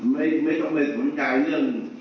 ไม่ต้องไปสนใจเรื่อง